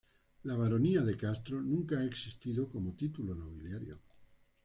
La "Baronía de Castro" nunca ha existido como título nobiliario.